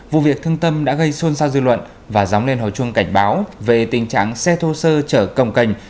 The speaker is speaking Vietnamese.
vụ việc thương tâm đã gây xôn xao dư luận và dóng lên hồi chuông cảnh báo về tình trạng xe thô sơ chở cồng cành